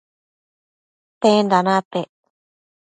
tenda napec?